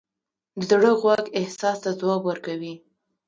د زړه غوږ احساس ته ځواب ورکوي.